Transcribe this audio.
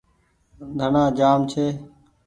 ڌڻآ جآم ڇي۔